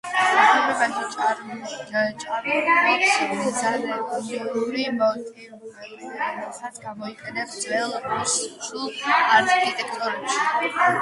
გაფორმებაში ჭარბობს ბიზანტიური მოტივები, რომელიც გამოიყენება ძველ რუსულ არქიტექტურაში.